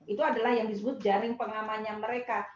itu adalah yang disebut jaring pengamannya mereka